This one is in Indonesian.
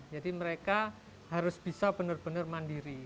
jadi mereka harus bisa benar benar mandiri